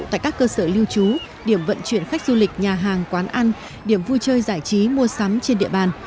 tại các cơ sở lưu trú điểm vận chuyển khách du lịch nhà hàng quán ăn điểm vui chơi giải trí mua sắm trên địa bàn